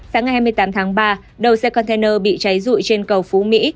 sáng ngày hai mươi tám tháng ba đầu xe container bị cháy rụi trên cầu phú mỹ